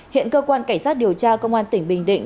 hiện cơ quan cảnh sát điều tra công an tỉnh bình định